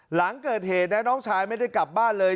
หลังเกิดเหตุนะน้องชายไม่ได้กลับบ้านเลย